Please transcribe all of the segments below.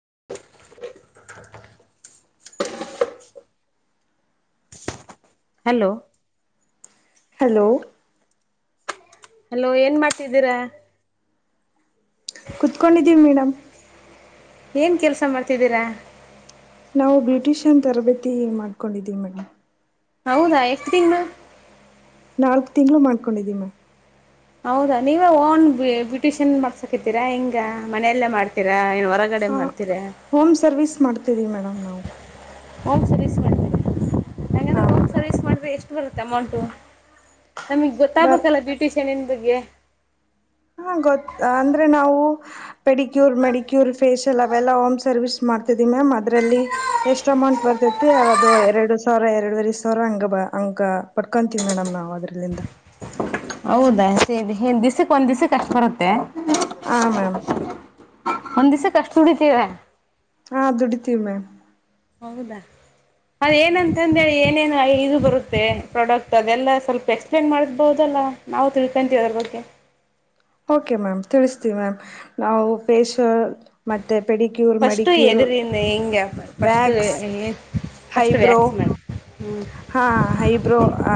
[inaudible] hello hello hello ಏನ್ ಮಾಡ್ತಿದ್ದೀರ ಕುೂತ್ಕೊಂಡಿದ್ದೀವಿ ಮೇಡಮ್ ಏನ್ ಕೆಲ್ಸ ಮಾಡ್ತಿದ್ದೀರಾ ನಾವು ಬ್ಯೂಟಿಷಿಯನ್ ತರಬೇತಿ ಮಾಡ್ಕೊಂಡಿದೀವಿ ಮೇಡಮ್ ಹೌದಾ ಎಷ್ಟ್ ತಿಂಗ್ಳ್ ನಾಲ್ಕ್ ತಿಂಗ್ಳ್ ಮಾಡ್ಕೊಂಡಿದ್ದಿ ಮ್ಯಾಮ್ ಹೌದಾ ನೀವೇ ಓನ್ ಬಿ ಬಿಟಿಷನ್ ಮಾಡ್ಸಕಿದ್ದೀರಾ ಹಿಂಗ ಮನೆಯಲ್ಲೇ ಮಾಡ್ತೀರಾ ಏನ್ ಹೊರಗಡೆ ಹಾ ಮಾಡ್ ಹೋಮ್ ಸರ್ವಿಸ್ ಮಾಡ್ತಿದೀವಿ ಮೇಡಮ್ ನಾವು ಹೋಮ್ ಸರ್ವಿಸ್ ಮಾಡ್ತಿವಿ ಹ ಮೇಲೆ ಎಸ್ಟ್ ಬರುತ್ತೆ ಅಮೌಂಟು ನಮಿಗ್ ಬರ್ ಗೊತ್ತಾಗುತಲ್ಲ ಬ್ಯೂಟಿಷನ್ನ್ ಬಗ್ಗೆ ಹಾ ಗೊತ್ ಅಂದ್ರೆ ನಾವು ಪೆಡಿಕ್ಯೂರ್ ಮೆಡಿಕ್ಯೂರ್ ಫೇಸ್ ಎಲ್ಲ ಅವೆಲ್ಲಾ ಹೋಮ್ ಸರ್ವಿಸ್ ಮಾಡ್ ಮಾತ್ತೆ ದಿನ ಮ್ ಅದ್ರಲ್ಲಿ ಎಷ್ಟ್ ಅಮೌಂಟ್ ಬರ್ತಿತಿ ಎರಡು ಸಾವ್ರ ಎರಡುವರಿ ಸಾವ್ರ ಹಂಗ್ ಬ ಹಂಗ ಪಟ್ಕೊಂತೀವಿ ಮೇಡಮ್ ನಾವು ಅದ್ರಲ್ಲಿಂದ ಹೌದಾ ಸೇರಿ ದಿಸಕ್ ಒಂದ್ ದಿಸಕ್ ಕಷ್ಟ್ ಬರುತ್ತೆ ಹಾಂ ಮ್ಯಾಮ್ ಒಂದ್ ದಿಸಕ್ ಅಷ್ಟ್ ದುಡಿತೀರಾ ಹಾ ದುಡಿತೀವಿ ಮ್ಯಾಮ್ ಹೌದಾ ಅದೇಏನಂತಂದೇಳಿ ಏನೇ ಇದು ಬರುತ್ತೆ ಪ್ರಾಡಕ್ಟ್ ಅದೆಲ್ಲ ಸ್ವಲ್ಪ ಎಕ್ಸ್ಪ್ಲೇನ್ ಮಾಡ್ಬಹುದಲ್ಲ ನಾವು ತಿಳ್ಕೊಂತೀವಿ ಅದ್ರ ಬಗ್ಗೆ [inaudible] ಓಕೆ ಮ್ಯಾಮ್ ತಿಳಿಸ್ತೀವಿ ಮ್ಯಾಮ್ ನಾವು ಫೇಶಲ್ ಫಸ್ಟ್ ಎದುರಿನ್ ಹೆಂಗ್ ಫಸ್ಟ್ ವ್ಯಾಕ್ಸ್ ಹೆ ಹೈಬ್ರೋ ಹಾ ಹೈಬ್ರೋ ಹಾ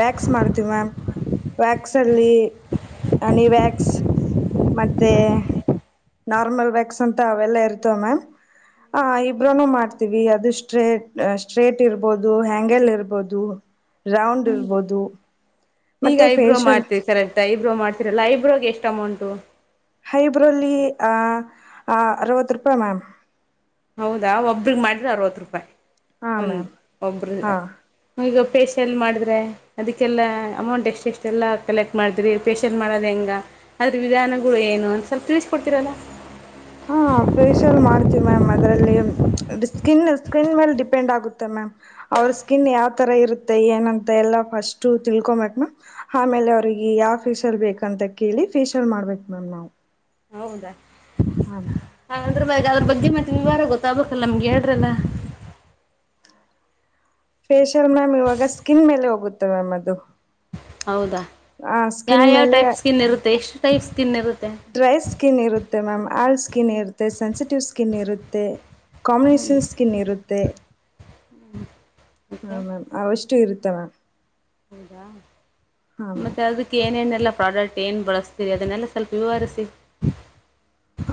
ವ್ಯಾಕ್ಸ್ ಮಾಡ್ತ ಮ್ಯಾಮ್ ವ್ಯಾಕ್ಲ್ಲಿಲ್ಲಿ ಆನಿ ವ್ಯಾಕ್ಸ್ ಮತ್ತೆ ನಾರ್ಮಲ್ ವ್ಯಾಕ್ಸ್ ಅಂತ ಅವೆಲ್ಲಾ ಇರ್ತವೆ ಮ್ಯಾಮ್ ಹ ಇಬ್ರನು ಮಾಡ್ತೀವಿ ಅದು ಸ್ಟ್ರೇ ಸ್ಟ್ರೇಟ್ ಇರ್ಬೋದು ಹ್ಯಾಂಗಲ್ ಇರ್ಬೋದು ರೌಂಡ್ ಹ್ಮ್ ಇರ್ಬೋದು ಈಗ ಮತ್ತು ಐಬ್ರೋ ಫೇಶಿಯಲ್ ಮಾಡ್ತೀರಿ ಸರಷ್ಟ ಐಬ್ರೋ ಮಾಡ್ತೀರಲ್ಲ ಐಬ್ರೋಗೆ ಎಷ್ಟ ಟೊಮಂಟೋ ಹೈಬ್ರಲ್ಲಿ ಆ ಅರವತ್ತು ರೂಪಾಯಿ ಮ್ಯಾಮ್ ಹೌದಾ ಒಬ್ರಗ್ ಮಾಡಿದ್ರೆ ಅರವತ್ತು ರೂಪಾಯಿ ಹಾ ಒಂದ ಮ್ಯಾಮ್ ಒಬ್ರ ಹಾ ಈಗ ಫೇಶಿಯಲ್ ಮಾಡಿದ್ರೆ ಅದಕ್ಕೆಲ್ಲ ಅಮೌಂಟ್ ಎಷ್ಟ ಎಷ್ಟೆಲ್ಲ ಕಲೆಕ್ಟ್ ಮಾಡಿದ್ರಿ ಫೇಶಿಯಲ್ ಮಾಡೋದ ಹೆಂಗ ಅದ್ರ ವಿಧಾನಗಳು ಏನು ಅಂತ ಸ್ವಲ್ಪ ತಿಳಿಸಕೊಡ್ತಿರಲ್ಲ ಹಾ ಫೇಶಿಯಲ್ ಮಾಡ್ತಿೀವಿ ಮ್ಯಾಮ್ ಮ ಅದರಲ್ಲಿ ಸ್ಕಿನ್ ಸ್ಕಿನ್ ಮೇಲೆ ಡಿಪೆಂಡ್ ಆಗುತ್ತೆ ಮ್ಯಾಮ್ ಅವ್ರ ಸ್ಕಿನ್ ಯಾವ್ ತರ ಇರುತ್ತೆ ಏ ಎಲ್ಲ ಸ್ ತಿಕೊಬೇಕ ಆಮೇಲೆ ಅವಿಗೆ ಯಫೀಸಲ್ಲಿ ಬೇಕಂತ ಕೇಳಿ ಷಲ್ ಮಾಡ್ಬೇಕು ಮ್ಯಾಮ್ ನಾವು ಹೌದಾ ಹ್ಮ ಅ ಬ ಅದ್ರ ಬಗ್ಗೆ ಮತ್ತ ವಿವರ ಗೊತ್ತಾಗಬೇಕಕ್ಲ್ಲ ನಮ್ಗೆ ಹೇಳ್ರಲ್ಲ ಫೇಶಿಯಲ್ ಮ್ಯಾಮ್ ಇವಾಗ ಸ್ಕಿನ್ ಮೇಲೆ ಹೋಗುತ್ತೆ ಮ್ಯಾಮ್ ಅದು ಹೌದಾ ಆ ಯಾವ ಸ್ಕಿನ್ ಯಾವ್ ಮೇಲೆ ಟೈಪ್ ಸ್ಕಿನ್ ಇರುತ್ತೆ ಎಷ್ಟು ಟೈಪ್ ಸ್ಕಿನ್ ಇರುತ್ತೆ ಡ್ರೈ ಸ್ಕಿನ್ ಇರುತ್ತೆ ಮ್ಯಾಮ್ ಆಲ್ ಸ್ಕಿನ್ ಇರುತ್ತೆ ಸೆನ್ಸಿಟಿವ್ ಸ್ಕಿನ್ ಇರುತ್ತೆ ಕಾಂಬಿನೇಷನ್ ಸ್ಕಿನ್ ಇರುತ್ತೆ ಹಾ ಓಕೆ ಮ್ಯಾಮ ಅವಷ್ಟು ಇರುತ್ತೆ ಮ್ಯಾಮ್ ಹೌದಾ ಹಾಂ ಮ್ಯಾಮ್ ಮತ್ತೆ ಅದಕ್ಕೆ ಏನೇನ್ ಎಲ್ಲಾ ಪ್ರಾಡಕ್ಟ್ ಏನ್ ಬಳಸ್ತೀರಿ ಅದನ್ನೆಲ್ಲ ಸ್ವಲ್ಪ ವಿವರಿಸಿ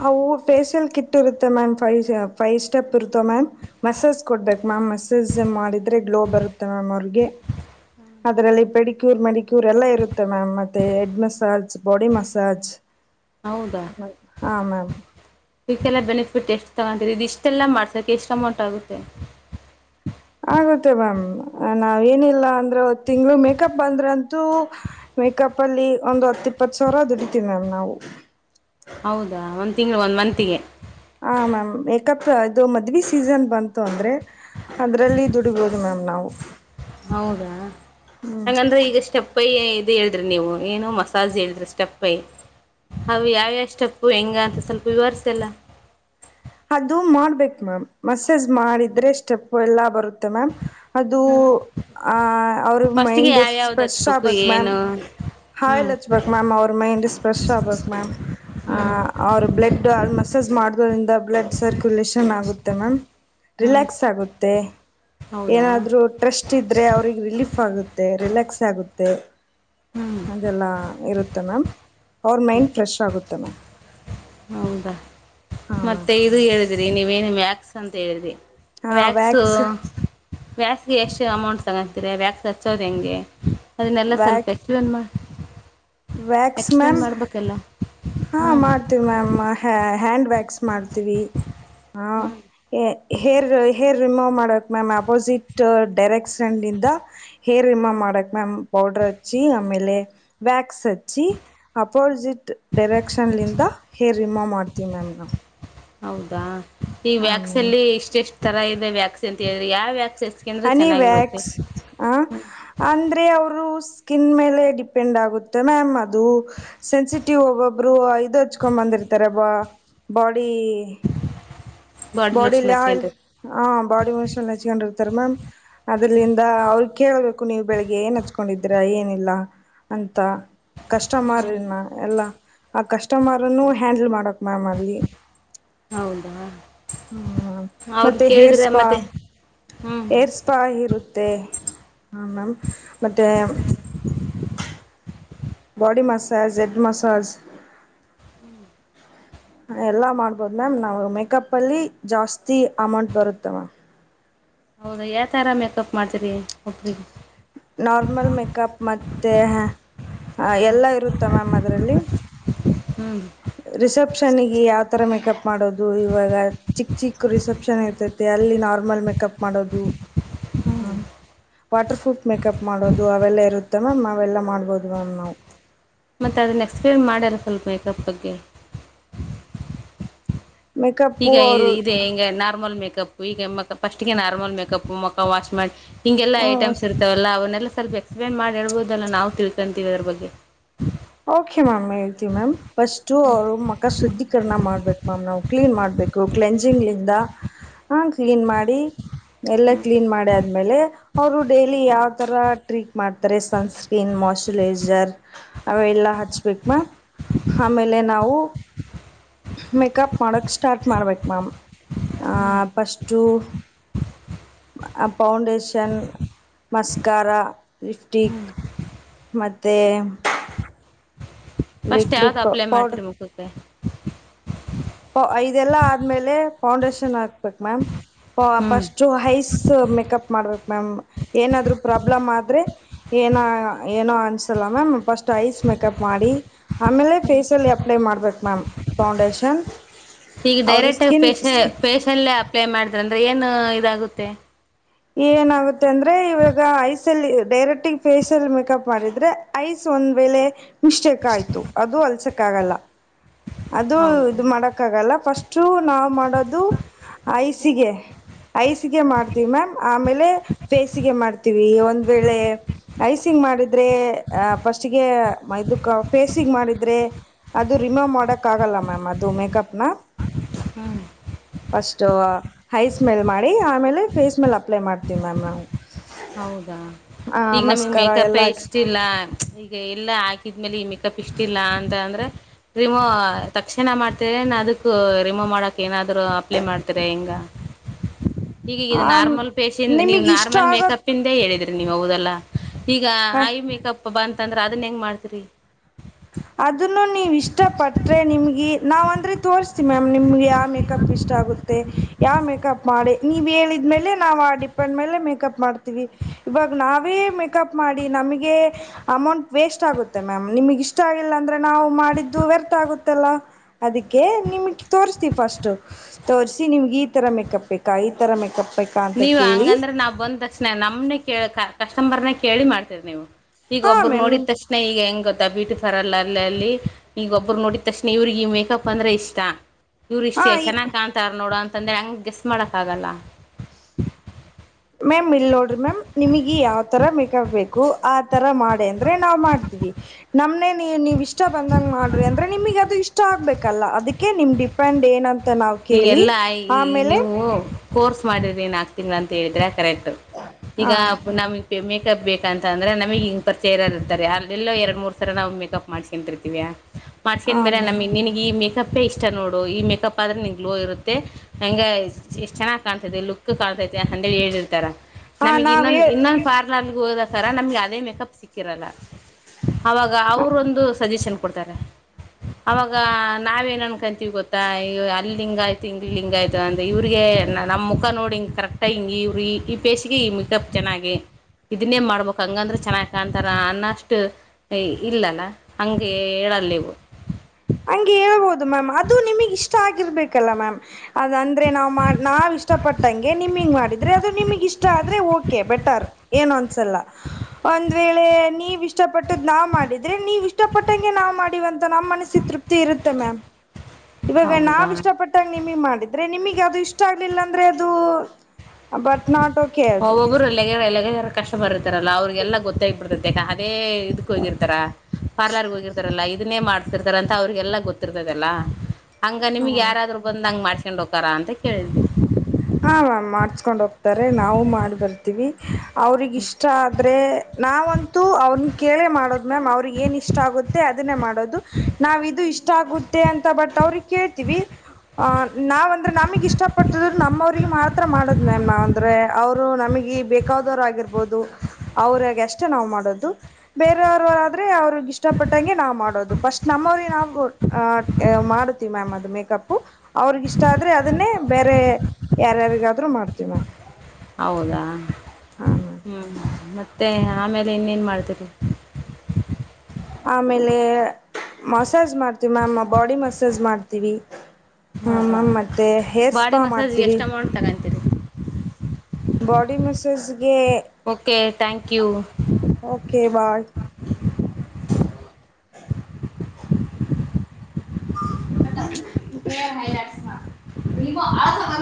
ಅ ಫೇೇಶಿಯಲ್ ಕಿಟ್ ಇರುತ್ತೆ ಮ್ಯಾಮ್ ಫೈ್ ಫೈವ್ ಸ್ಟೆಪ್ ಇರುತಾವ ಮ್ಯಾಮ್ ಮಸಾಜ್ ಕೊಡಬೇಕು ಮ್ಯಾಮ್ ಮಸಾಜ್ ಮಾಡಿದ್ರೆ ಗ್ಲೋ ಬರುತ್ತೆ ಮ್ ಅವ ಅದ್ರಲ್ಲಿ ಕ್ಯೂರ್ ಮಿಕ್ಯರ್ ಎಲ್ಲ ಇರುತ್ತೆ ಮ್ಯಾಮ್ ಮತ್ತೆ ಹೆಡ್ ಮಸಾಜ್ ಬಾಡಿ ಮಸಾಜ್ ಹೌದಾ ಹ ಮ್ಯಾಮ್ ಇದಕ್ಕೆಲ್ಲ ಬೆನಿಫಿಟ್ ಎಷ್ಟು ತಗೊಂತ ಇ ಇಷ್ಟೆಲ್ಲ ಮಾಡ್ಸಕ ಎಷ್ಟ್ ಅಮೌಂಟ್ ಆಗುತ್ತೆ ಆಗುತ್ತೆ ಮ್ಯಾಮ್ ನಾವ್ ಏನಿಲ್ಲ ಅಂದ್ರೆ ಒ್ ತಿಂಗ್ಗಳು ಮೇಕಪ್ ಬಂದ್ರಂತೂ ಮೇಕಪ್ ಅಲ್ಲಿ ಒಂದು್ ಹತ್ತ ಇಪ್ಪತ್ತು ಸಾವಿರ ದುಡಿತೀವಿ ಮ್ಯಾಮ್ ನಾವು ಹೌದಾ ಒಂದ್ ತಿಂಗಗಳು ಒಂದ್ ಮತ್ಗೆ ಹ ಮ್ಯಾಮ್ ಮಕಪ್ ಇದು ಮದ್ವಿ ಸೀಸನ್ ಬಂತು ಅಂದ್ರೆ ಅದ್ರಲ್ಲಿ ದುಡಿಬೋದು ಮ್ಯಾಮ್ ನ ನವು ಹೌದಾ ಹಂಗಂದ್ರೆ ಈಗಷ್ಟೆ ಪ್ಪೈ ಇದು ಹೇಳಿದ್ರಿ ನೀವು ಏನು ಮಸಾಜ್ ಹೇಳಿದ್ರಿ ಸ್ಟೆಪ್ಪೈ ಅ ಯಾವ್ಯಷ್ಟಪ್ಪು ಹೆಂಗ ಅಂತ ಸ್ವಲ್ಪ ವಿವಸಲ್ಲ ಅದು ಮಾಡ್ಬೇಕು ಮ್ಯಾಮ್ ಮಸೇಜ್ ಮಾಡಿದ್ರೆ ಸ್ಟೆಪ್ ಎಲ್ಲಾ ಬರುತ್ತೆ ಮ್ಯ್ ಅದು ಆ ಅವ್ರ ಫಸ್ಟ್ಗೆ ಮೈಂಡ್ ಯಾವ್ಯಾವ್ದು ಫ್ರೆಶ್ ಹಚ್ಬೇಕು ಆಗ್ಬೇಕು ಮ್ಯಾಮ್ ಏನು ಹಾಲ್ ಹ್ಮ್ ಹಚ್ಬೇಕು ಮ್ಯಾಮ್ ಅವ್ರ ಮೈಂಡ್ ಸ್ಫ್ರೆಶ್ ಆಗ್ಬೇಕಕ್ ಮ್ಯಾಮ್ ಹ್ಮ್ ಅವ್ರ ಬ್ಲಡ್ ಆಲ್ಮೋಸ್ಟ್ ಮಸಾಜ್ ಮಾಡೋದರಿಂದ ಬ್ಲಡ್ ಸರ್ಕ್ಯುಲೇಷನ್ ಆಗುತ್ತೆ ಮ್ಯಾಮ್ ಹ್ಮ್ ರಿಲ್ಯಾಕ್ಸ್ ಆಗುತ್ತೆ ಹೌದಾ ಏನಾದ್ರೂ ಟ್ರಸ್ಟ್ ಇದ್ರೆ ಅವ್ರಿಗೆ ರಿಲೀಫ್ ಆಗುತ್ತೆ ರಿಲ್ಯಾಕ್ಸ್ ಆಗುತ್ತೆ ಹ್ಮ್ ಅದೆಲ್ಲ ಇರುತ್ತೆ ಮ್ಯಾಮ್ ಅವ್ರ ಮೈಂಡ್ ಫ್ರೆಶ್ ಆಗುತ್ತೆ ಮ್ಯಾಮ್ ಹೌದಾ ಹಾ ಮ್ಯಾಮ್ ಮತ್ತೆ ಇದು ಹೇಳಿದ್ರಿ ನೀವೇನು ವಾಕ್ಸ್ ಅಂತ ಹೇಳಿದ್ರಿ ಹಾ ವ್ಯಾಕ್ಸು ವ್ಯಾಕ್ಸ್ ವ್ಯಾಕ್ಸ್ಗೆ ಎಷ್ಟು ಅಮೌಂಟ್ ತಗೊಂತೀರ ವ್ಯಾಕ್ಸ್ ಹಚ್ಚೋದು್ ಹೆಂಗೆ ಅದನ್ನಲ್ಲ ಸ್ವಲ್ಪ ವ್ಯಾಕ್ ಎಕ್ಸ್ಪ್ಲೈನ್ ಮಾಡ ವ್ಯಾಕ್ಸ್ ಮ್ಯಾಮ ಮಾಡ್ಬೇಕಲ್ಲ ಹ ಹ್ಞೂ ಮಾಡ್ತೀವಿ ಮ್ಯಾಮ್ ಹ ಹ್ಯಾಂಡ್ ವ್ಯಾಕ್ಸ್ ಮಾಡ್ತೀವಿ ಹಾ ಹ್ಞೂ ಏರ್ ರಿಮೂವ್ ಮಾಡಕ್ ಮ್ಯಾಮ್ ಅಪೋಸಿಟ್ ಡೈರೆಕ್ಷನ್ಂದ ಹೇರ್ ರಿಮೂವ್ ಮಾಡಕ್ ಮ್ಯಾಮ್ ಪೌಡರ್ ರಾಚಿ ಆಮೇಲೆ ವ್ಯಾಕ್ ಿ ಅಪೋಸಿಟ್ ಡೈರೆಕ್ಷನ್ಂದ ಹೇರ್ ರಿಮೋವ್ ಮಾಡ್ತೀವಿ ನಾನು ಹೌದಾ ಈ ವ್ಯಾಕ್ಸಿನ್ಲ್ಲಿ ಇಷ್ಟ ಎಷ್ಟು ತರ ಇದೆ ವ್ಯಾಕ್ಸಿನ್ ಅಂತ ಹೇಳಿದ್ರಿ ಯಾವ ವ್ಯಾಕ್ ಅನಿವ್ಯಾಕ್ಸ್ ಅ ಅಂದ್ರೆ ಅವ್ರು ಸ್ಕಿನ್ ಮೇಲೆ ಡಿಪೆಂಡ್ ಆಗುತ್ತೆ ಮ್ಯಾಮ್ ಅದು ಸೆನ್ಸಿಟಿವ್ ಒಬೊಬ್ರು ಇದು ಹಚ್ಕೊಂಡ್ ಬಂದ್ರೆ ಇತರ ಬಾಡಿ ಬಾಡಿ ಲೋಷನ್ ಬಾಡಿಲಿ ಆಿಲ್ ಹಚ್ಕೊಂಡ್ರೆ ಹ ಬಾಡಿ ಮೋಷನ್ ಹೆಚ್ಕೊಂಡ್ಿರ್ತಾರೆ ಮ್ಯಾಮ್ ಅದ್ರಲ್ಲಿಂದ ಅವ್ರ ಕೇೇಳಬೇಕು ನೀವು ಬೆಳಿಗ್ಗೆ ಏನ್ ಹಚ್ಕೊಂಡಿದೀರ ಏನಿಲ್ಲ ಅಂತ ಕಸ್ಟಮರ್ ನ ಎಲ್ಲಾ ಆ ಕಸ್ಟಮರ್ನ್ನು ಹ್ಯಾಂಡಲ್ ಮಾಡಕ್ ಮ್ಯಾಮ್ ಅಲ್ಲಿ ಹೌದಾ ಹೂ ಅವ್ರನ್ನ ಮತ್ತೆ ಹೇರ್ ಕೇಳಿದ್ರೆ ಸ್ಪಾ ಮತ್ತೆ ಹ್ಞೂ ಏರ್ ಸ್ಪಾ ಇರುತ್ತೆ ಹ ಮ್ಯಾಮ್ ಮತ್ತೆ ಹ ಬಾಡಿ ಮಸಾಜ್ ಹೆಡ್ ಮಸಾಜ್ ಹೂ ಎಲ್ಲ ಮಾಡ್ಬೋದು ಮ್ಯಾಮ್ ನಾವು ಮೇಕಪ್ ಅಲ್ಲಿ ಜಾಸ್ತಿ ಅಮೌಂಟ್ ಬರುತ್ತೆ ಮ್ಯಾಮ್ ಹೌದ ಯಾವ ತರ ಮೇಕಪ್ ಮಾಡ್ತರಿ ಒಬ್ರಿಗೆ ನಾರ್ಮಲ್ ಮೇಕಪ್ ಮತ್ತೆ ಎಲ್ಲ ಇರುತ್ತ ಮ್ಯಾಮ್ ಅದರಲ್ಲಿ ಹ್ಞೂ ರಿಸೆಪ್ಷನ್ಗೆ ಯಾವತರ ಮೇಕಪ್ ಮಾಡೋದು ಇವಾಗ ಚಿಕ್ಕ ಚಿಕ್ಕ ರಿಸೆಪ್ಷನ್ ಇರ್ತೈತೆ ಅಲ್ಲಿ ನಾರ್ಮಲ್ ಮೇಕಪ್ ಮಾಡೋದು ಹ ವಾಟರ್ ಪ್ರೂಫ್ ಮೇಕಪ್ ಮಾಡೋದು ಅವೆಲ್ಲ ಇರುತ್ತೆ ಮ್ಯಾಮ್ ಅವೆಲ್ಲ ಮಾಡ್ಬೋದು ಮ್ಯಾಮ್ ನಾವು ಮತ್ತೆ ಅದನ್ನ ಎಕ್ಸ್ಪೀರಿಯೆಂಟ್ ಮಾಡ್ಯಲ್ಲ ಸ್ವಲ್ಪ ಮೇಕಪ್ ಬಗ್ಗೆ ಮೇಕಪ್ಪು ಈಗ ಅವರು ಇದು ಹಿಂಗ ನಾರ್ಮಲ್ ಮೇಕಕ್ ಮೇಕಪ್ ಈಗ ಫಸ್ಟ್ಗೆ ನಾರ್ಮಲ್ ಮೇಕಪ್ ಮ ಮುಕ್ಕ ವಾಶ್ ಮಾಡಿ ಹಿಗೆಲ್ಲಾ ಹ್ಞೂ ಐಟಮ್ಸ್ ಇರ್ತವೆಲ್ಲ ಅವನ್ನಲ್ಲ ಸ್ವಲ್ಪ ಎಕ್ಸ್ಪ್ಲೇನ್ ಮಾಡಿ ಹೇಳ್ಬೋುದಲ್ಲ ನಾ ತಿಳ್ಕೊಂತೀವಿ ಅದ್ರ ಬಗ್ಗೆ ಓಕೆ ಮ್ಯಾಮ್ ಹೇಳ್ತಿೀ ಮ್ಯಾಮ್ ಫಸ್ಟ್ ಅವರು ಮಕ್ಕ ಶುದ್ದೀಕರಣ ಮಾಡ್ಬೇಕು ಮ್ಯಾಮ್ ನಾವು ಕ್ಲೀನ್ ಮಾಡ ಬು ಕ್ಜಿಂಗ್ಿಂದ ಹ ಕ್ಲೀನ್ ಮಾಡಿ ಎಲ್ಲ ಕ್ಲೀನ್ ಮಾಡಿ ಆದ್ಮೇಲೆ ಅವರು ಡೈಲಿ ಯಾವ್ ತರ ಟ್ರೀಕ್ ಮಾಡ್ತಾರೆ ಸನ್ಸ್ಕ್ರೀನ್ ಮಾೋಯ್ಚುರೈಜರ್ ಹಚ್ಬೇಕ ಆಮೇಲೆ ನಾವು ಮೇಕಪ್ ಮಾಡಕ್ ಸ್ಟಾರ್ಟ್ ಮಾಡ್ಬೇಕು ಮ್ಯಾಮ್ ಪಫಸ್ಟು ಪೌಂಡೇಶನ್ ಮಸ್ಕಾರಾರಾ ಲಿಫ್ಟಿಕ್ ಮತ್ತೆ ಫಸ್ಟ್ ಯಾವ್ದ್ ಅಪ್ಲೈ ಮಾಡ್ತೀರಿ ಮುಖಕ್ಕೆ ಐದೆಲ್ಲಾ ಆದ್ಮೇಲೆ ಫೌಂಡೇಶನ್ ಹಾಕ್ಬೇಕ್ ಮ್ಯಾಮ್ ಹ್ಮ್ ಪಫಸ್ಟ್ ಹೈಸ್ ಮೇಕಪ್ ಮಾಡ್ಬೇಕು ಮ್ಯಾಮ್ ಏನಾದ್ರು ಪ್ರಾಬ್ಲಮ್ ಆದ್ರೆ ಏನ ಏನೋ ಅನ್ಸಲ್ಲ ಮ್ಯಾಮ್ ಫಸ್ಟ್ ಐಸ್ ಮೇಕಪ್ ಮಾಡಿ ಆಮೇಲೆ ಫೇಸಲ್ಲಿ ಅಪ್ಲೈ ಮಾಡ್ಬೇಕು ಮ್ಯಾಮ್ ಫೌಂಡೇಶನ್ ಈಗ ಅವ್ರ ಡೈರೆಕ್ಟ್ ಸ್ಕಿನ್ ಫೇಶ ಸ್ಕಿ ಫೇಶಲ್ಲೇ ಅಪ್ಲೈ ಮಾಡಿದ್ರ ಅಂದ್ರೆ ಏನು ಇದಾಗುತ್ತೆ ಏನಾಗುತ್ತೆ ಅಂದ್ರೆ ಇವಾಗ ಐಸೆಲ್ ಡೈರೆಕ್ಟ್ ಫೇೇಶಿಯಲ್ ಮೇಕಪ್ ಮಾಡಿದ್ರೆ ಐಸು ಒಂದ್ ವೇಳೆ ಮಿಸ್ಟೇಕ್ ಆಯ್ತು ಅದು ಅಲ್ಸಕ್ ಆಗಲ್ಲ ಅದು ಹೌದಾ ಇದು ಮಾಡಕ ಆಾಗಲ್ಲ ಫಸ್ಟು ನಾವು ಮಾಡೋದು ಐಸಿಗೆ ಐಸಿಗೆ ಮಾಡ್ತೀವಿ ಮ್ಯಾಮ್ ಆಮೇಲೆ ಫೇಸಿಗೆ ಮಾಡ್ತೀವಿ ಒಂದ್ ವೇಳೆ ಐಸಿಂಗ್ ಮಾಡಿದ್ರೆ ಫಸ್ಟ್ ಫೇಸ್ ಗೆ ಮಾಡಿದ್ರೆ ಅ ರಿಮೂವು ಮಾಡಕಲ್ಲ ಆಗಲ್ಲ ಮಾಮ್ ಅದು ಮೇಕಪ್ನ ಹೂ ಫಸ್ಟ್ ಐಸ್ ಮೇಲೆ ಮಾಡಿ ಆಮೇಲೆ ಫೇಸ್ ಸ್ಮೆಲ್ ಅಪ್ಲೈ ಮಾಡ್ತೀವಿ ಮ್ಯಾಮ್ ನಾವು ಹೌದಾ ಆ ಈಗ ನಮ್ಗೆ ಮಸ್ಕರ ಎಲ್ಲ ಮೇಕಪ್ೇ ಹಾಕಿ ಇಷ್ಟ ಇಲ್ಲ ಈಗ ಎಲ್ಲ ಆದ್ಮೇಲೆ ಈ ಮೇಕಪ್ ಇಕ್ತಿಲ್ಲ ಅಂತ ಅಂದ್ರೆ ರಿಮೋ ತಕ್ಷಣ ಮಾಡ್ತರ ನ ಅದಕ್ಕ ರಿಮೋವ್ ಮಾಡಕ್ ಏನಾದ್ರು ಅಪ್ಲೈ ಮಾಡ್ತರ ಹಿಂಗ ಈಗೀಗ ನಾರ್ಮಲ್ ಫೇಶಿಯಲ್ ನೀವು ನಿಮಗೆ ಇಷ್ಟ ನಾರ್ಮಲ್ ಮೇಕಪ್ ಆಗೋ ಕ ಹೇಳಿದ್ರಿ ನೀವ ಹೌದಲ್ಲಾ ಈಗ ಐ ಮೇಕಪ್ ಬಂತ ಅಂದ್ರೆ ಅದನ್ನ ಹೆಂಗ್ ಮಾಡ್ತರಿ ಅದನ್ನು ನೀವು ಇಷ್ಟಪಟ್ಟರೆ ನಿಮಗೆ ನಾವವು ಅಂದ್ರೆ ತೋರಿಸತಿವಿ ಮ್ಯಾಮ್ ನಿಮ್ಗೆ ಯಾವ ಮೇಕಪ್ ಇಷ್ಟ ಆಗುತ್ತೆ ಯಾವ ಮೇಕಪ್ ಮಾಡಿ ನೀವ್ ಹೇಳಿದ ಲೆ ನಾವವು ಆ ಡಿಪೆಂಡ್ ಮೇಲೆ ಮೇಕಪ್ ಮಾಡ್ತೀವಿ ಇವಾಗ ನಾವೇ ಮೇಕಪ್ ಮಾಡಿ ನಮಗೆ ಅಮೌಂಟ್ ವೇಸ್ಟ್ ಆಗುತ್ತೆ ಮ್ಯಾಮ್ ನಿಮಗ ಇಷ್ಟ ಆಗಿಲ್ಲ ಅಂದ್ರೆ ನಾವು ಮಾಡಿದ್ದು ವ್ಯರ್ಥ ಆಗುತ್ತೆಲ್ಲ ಅದಕ್ಕೆ ನಿಮಗೆ ತೋರ್ಸ್ತೀವಿ ಫಸ್ಟ್ ತೋಸಿ ನಿಮ್ಗೆ ಈ ತರ ಮೇಕಪ್ ಬೇಕಾ ಈ ತರ ಮೇಕಪ್ ಬೇಕಾ ಅಂತ ನೀವು ಕೇಳಿ ಹಂಗಂದ್ರೆ ನಾವ್ ಬಂದ ತಕ್ಷಣ ನಮ್ನೆ ಕೇಳ ಕಸ್ಟಮರ್ನ ಕೇಳಿ ಮಾಡ್ತೀರಿ ನೀವು ಈಗ ಹಾಂ ಒಬ್ರು ಮ್ಯಾಮ್ ನೋಡಿದ ನಿಮ್ಮ ತಕ್ಷಣೆ ಈಗ ಹೆಂಗತ್ತ ಬ್ಯೂಟಿಫಾರ್ರ್ ಅಲ್ಲಲ್ಲಿ ಈಗ ಒಬ್ಬರು ನೋಡಿದ ತಕ್ಷಣ ಇವ್ರಿಗೆ ಈ ಮೇಕಪ್ ಅಂದ್ರೆ ಇಷ್ಟ ಇವ್ರು ಹಾಂ ಇಷ್ಟೇ ಈ ಚೆನ್ನಾಗಿ ಕಾಣತಾರ ನೋಡು ಅಂತಂದ್ರೆ ಹಂಗ ಗೆಸ್ಟ್ ಮಾಡಕ್ ಆಗಲ್ಲ ಮ್ಯಾಮ್ ಇಲ್ಲಿ ನೋಡ್ರರಿ ಮ್ಯಾಮ್ ನಿಮಗೆ ಯಾವ್ಥರ ಮೆ ಬೇಕು ಆತರ ಮಾಡಿ ಅಂದ್ರೆ ನಾವ್ ಮಾಡ್ತೀವಿ ನಮ್ನೆ ನೀ ನೀವ್ ಇಷ್ಟ ಬಂದಂಗ ಮಾಡ್ರಿ ಅಂದ್ರೆ ನಿಮಗ್ ಅದು ಇಷ್ಟ ಆಗ್ಬೇಕಲ್ಲ ಅದಕ್ಕೆ ನಿಮ್ ಡಿಪೆಂಡ್ ಏನಂತ ನಾವ್ ಕೇಳಿ ಈಗೆಲ್ಲಾ ಈ ಆಮೇಲೆ ನೀವು ಕೋರ್ಸ್ ಮಾಡಿದ್ರಿ ನಾಲ್ಕು ತಿಂಗಳು ಅಂತ ಹೇಳಿದ್ರೆ ಕರೆಕ್ಟ್ ಹ ಈಗ ನಮಗೆ ಮೇಕಪ್ ಬೇಕ ಅಂತ ಅಂದ್ರೆಮಗ್ ಹಿಂಗ ಪರಿಚಯರ ಇರ್ತಾರೆ ಅಲ್ಲೆಲ್ಲೋ ಎರಡ್ ಮೂರ್ ಸರ ನಾವು ಮೇಕಪ್ ಮಾಡ್ಸ್ಕೊಂತಿರ್ತೀವ ಹ ಮಾಡ್ಸ್ಕೊಂಡನ್ ಬೇರ ಮ್ಯಾಮ್ ನಮ ನಿನಗ್ ಈ ಮೇಕಪ್ ಇಷ್ಟ ನೋಡು ಈ ಮೇಕಪ್ ಪ್ಪದ್ರ ನಿ ಗ್ಲೋ ಇರುತ್ತೆ ಹಂಗ ಎಷ್ಟು ಚೆನ್ನಾಗ್ ಕಾಣ್ತೈದೆ ಲುಕ್ ಕಾಣ್ತತಿ ಅಂತ ಹೇಳಿ ಹ ಹೇಳಿರ್ತಾರ ಹ ನಮಗ್ ನಾವ್ ಇನ್ನೊಂದ ಹೇ ಇನ್ನೊಂದು ಪಾರ್ಲರ್ ಹೋದಕರ ನಮ್ಗೆ ಅದೇ ಮೇಕಪ್ ಸಿಕ್ ರಲ್ಲ ಅವಾಗ ಅವರುೊಂದು ಸಜೆಷನ್ ಕೊಡ್ತಾರೆ ಅವಾಗ ನಾವೇನನ್ಕಂತೀವಿ ಗೊತ್ತಾ ಅಲ್ಲಿ ಲಿಂಗ್ ಆಯ್ತು ಇಂಗ್ ಲಿಂಗ್ ಆಯ್ತು ಅಂದ ಇವ್ರಿಗೆ ನಮ್ಮ ಮುಖ ನೋಡಿಂಗ ಕರೆಕ್ಟ್ ಹಿಂಗ ಇವ್ರ ಬೇಸಿಗೆ ಈ ಮಟಪ್ ಚೆನ್ನಾಗಿ ಇದನ್ನೇ ಮಾಡ್ಬೇಕಕ್ ಹಂಗಂದ್ರ ಚೆನ್ನಾಗಿ ಕಾಣ್ತಾರ ಅನ್ನಷ್ಟು ಇಲ್ಲಲ್ಲ ಹಗೆ ಹೇಳ ತರಲ್ಲವು ಹಂಗೆ ಹೇಳ್ಬೋದು ಮ್ಯಾಮ್ ಅದು ನಿಮಗ್ ಇಷ್ಟ ಆಗಿರ್ಬೇಕಲ್ಲ ಮ್ಯಾಮ್ ಅದ ನಾವು ನಾವ್ ಇಷ್ಟಪಟ್ಟ ಗೆ ನಿಮ ಮಾಡಿದ್ರೆ ಅದು ನಿಮಗ್ ಇಷ್ಟ ಆದ್ರೆ ಓಕೆ ಬೆಟರ್ ಏನು ಅನ್ಸಲ್ಲ ಒಂದ ಹೇಳೆ ನೀವ್ ಇಷ್ಟ ಪಟ್ಟದ್ ನಾವ್ ಮಾಡಿದ್ರೆ ನೀವ್ ಇಷ್ಟಪಟ್ಟಂಗೆ ನಾವ್ ಮಾಡಿವವಂತ ನಮ್ಮ ಮನಸ್ಸಿ ತೃಪ್ತಿ ಇರುತ್ತೆ ಮ್ಯಾಮ್ ಇವಾಗ ಹೌದಾ ನಾವ ಇಷ್ಟ ಪಟ್ಟಾಗ ನಿಮ ಮಾಡಿದ್ರೆ ನಿಮಗ್ ಅದು ಇಷ್ಟ ಆಗ್ಲಿಲ್ಲ ಅಂದ್ರೆ ಅದು ಬಟ್ ನಾಟ್ ಓಕೆ ಅದು ರ ಕಷ್ಟ ಬರ್ತಾರಲ್ಲ ಅವ್ರರಿಗೆಲ್ಲ ಗೊತ್ತಾಗಿಬಿಡ್ತರ ಅದೇ ಇದಕ್ಕ ಹೋಗಿರ್ತಾರ ಪಾರ್ಲರ್ಗೆ ಹೋಗಿರ್ತಾರಲ್ಲ ಇ ಇದನ್ನೇ ಮಾಡ್ತಿರ್ತಾರ ಅಂತ ಅವ್ರಿಗೆಲ್ಲಾ ಗೊತ್ತಿರ್ತದದೆಲ್ಲ ಹಂಗ ನಿಮ್ಗೆ ಹ ಯಾರಾದ್ರು ಬಂದ್ ಹಂಗ ಮಾಡ್ ಕೊಂಡ ಹಕರ ಅಂತ ಕೇಳಿದ್ವಿ ಹ ಮಾಮ್ ಮಾಡ್ಸ್ಕೊಂಡ್ ಹೋಗ್ತಾರೆ ನಾವು ಮಾಡ್ ಬರ್ತೀವಿ ಅವ್ರಿಗ ಇಷ್ಟ ಆದ ಆದ್ರೆ ನಾವಂತೂ ಅವನ್ನ ಕೇಳೇ ಮಾಡೋದು ಮ್ಯಾಮ್ ಅವ್ರಿಗೆ ಏನ್ ಇಷ್ಟ ಆಗುತ್ತೆ ಅದನ್ನೇ ಮಾಡೋದು ನಾವ ಇದು ಇಷ್ಟ ಆಗುತ್ತೆ ಅಂತ ಬಟ್ ಅವ್ರಿಗೆ ಕೇಳ್ತೀವಿ ಆ ನಾವ್ಂದ್ರೆ ನಮಗ್ ಇಷ್ಟ ಪಟ್ಟದ್ರು ನಮ್ಮವ್ರು ಅವಿಗೆ ಮಾತ್ರ ಮಾಡದ್ ಮ್ಯಾಮ್ ನಾವ್ ಅಂದ್ರೆ ಅವ್ರು ನಮಗೆ ಬೇಕದವರು ಆಗಿರ್ಬೋದು ಅವ್ರಾಗ ಅಷ್ಟೇ ನಾವ್ ಮಾಡೋದು ಬೇರೆಯವ್ರಾದ್ರೆ ಅವ್ರಗ್ ಇಷ್ಟಪಟ್ಟಂಗೆ ನಾವ್ ಮಾಡೋದು ಪಫಸ್ಟ್ ನಮ್ಮ ನ ಅವಿ ನಾ ಮಾಡುತ್ತೀವಿ ಮ್ಯಾಮ್ ಅದು ಮೇಕಪ್ ಅವ್ರಗ ಇಷ್ಟ ಆದ್ರೆ ಅದನ್ನೇ ಬೇರೆ ಯಾರ್ಯಾರಿಗಾದ್ರರು ಮಾಡ್ತೀವ ಹೌದಾ ಹ್ಮ ಮತ್ತೆ ಆಮೇಲೆ ಇನ್ನೇನು ಮಾಡ್ತೀರಿ ಆಮೇಲೆ ಮಸಾಜ್ ಮಾಡ್ತೀವಿ ಮ್ಯಾಮ್ ಬಾಡಿ ಮಸಾಜ್ ಮಾಡ್ತೀವಿ ಹಾ ಹ್ಮ್ ಹ್ಮ್ ಮಾಮ್ ಮತ್ತೆ ಹೇರ್ ಬಾಡಿ ಸ್ಪಾ ಮಸಾಜ್ ಮಾಡ್ತೀವಿ ಎಷ್ಟು ಅಮೌಂಟ್ ತಗೊಂತೀರಿ ಬಡಿ ಮಸಾಜಗೆ ಥಾಂಕ್ ಯು ಬಾಯ್ ಅ ಹ ಮಾಡ ನಿ ಆ